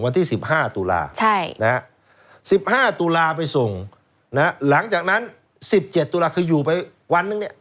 วันที่สิบห้าตุลาใช่นะสิบห้าตุลาไปส่งนะหลังจากนั้นสิบเจ็ดตุลาคืออยู่ไปวันนึงเนี้ย